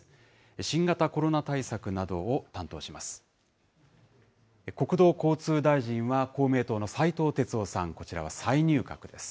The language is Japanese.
新型コロナ対策などを担当します。